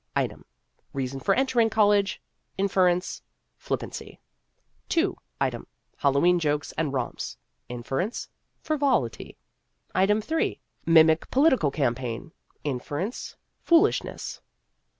Item : Reason for entering college. Inference : Flippancy. II. Item : Hallowe'en jokes and romps. Inference : Frivolity. III. Item : Mimic political campaign. Inference : Foolishness.